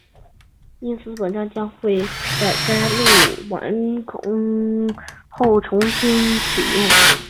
因此本站将会在该线路完工后重新启用